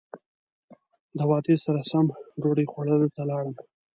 د وعدې سره سم ډوډۍ خوړلو ته لاړم.